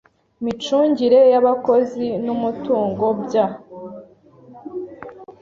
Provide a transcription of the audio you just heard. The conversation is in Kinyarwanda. micungire y abakozi n umutungo bya